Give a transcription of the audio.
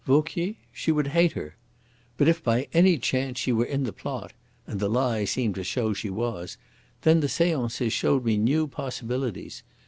Vauquier she would hate her. But if by any chance she were in the plot and the lie seemed to show she was then the seances showed me new possibilities.